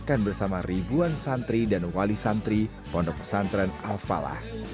makan bersama ribuan santri dan wali santri pondok pesantren al falah